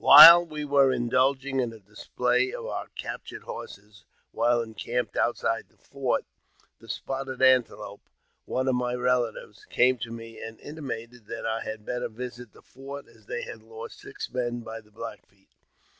WHILE we were indulging in a display of our captured horses while encamped outside the fort, the Spotted Antelope, one of my relatives, came to me, and intimated that i 1 had better visit the fort, as they had lost six men by the; Black Feet.